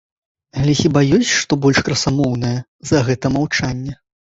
Але хіба ёсць што больш красамоўнае, за гэта маўчанне.